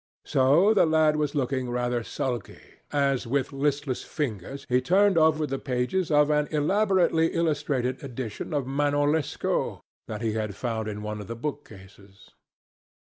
So the lad was looking rather sulky, as with listless fingers he turned over the pages of an elaborately illustrated edition of Manon Lescaut that he had found in one of the book cases.